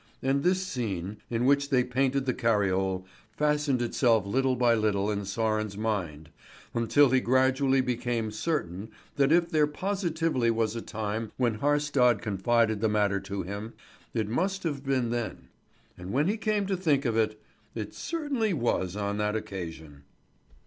And this scene, in which they painted the cariole, fastened itself little by little in Sören's mind, until he gradually became certain that if there positively was a time when Haarstad confided the matter to him, it must have been then; and when he came to think of it, it certainly was on that occasion.